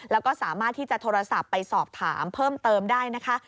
แล้วก็สามารถที่จะโทรศัพท์ไปสอบถามเพิ่มเติมได้นะคะ